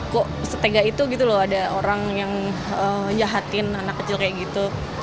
kok setegak itu gitu loh ada orang yang jahatin anak kecil kayak gitu